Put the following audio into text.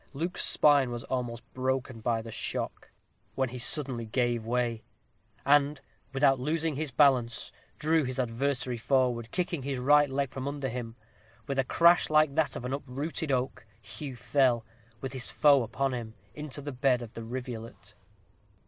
Luke's spine was almost broken by the shock, when he suddenly gave way; and, without losing his balance, drew his adversary forward, kicking his right leg from under him. With a crash like that of an uprooted oak, Hugh fell, with his foe upon him, into the bed of the rivulet.